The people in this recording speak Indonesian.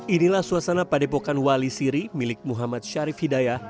inilah suasana padepokan wali siri milik muhammad syarif hidayah